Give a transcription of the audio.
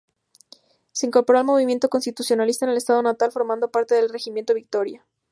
Se incorporó al movimiento constitucionalista en su estado natal, formando parte del Regimiento ""Victoria"".